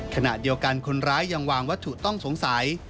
ขณะเดียวกันคนร้ายยังวางวัตถุต้องสงสัย